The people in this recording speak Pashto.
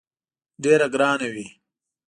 ډېره ګرانه وي.